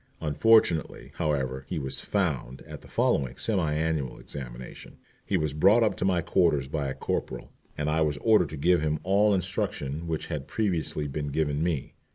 Unfortunately, however, he was "found" at the following semi annual examination. He was brought up to my quarters by a corporal, and I was ordered to give him all instruction which had previously been given me.